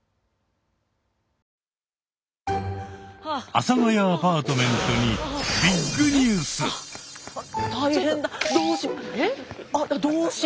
阿佐ヶ谷アパートメントにどうし。